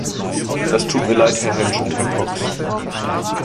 Das tut mir leid, Herr Hänsch und Herr Cox.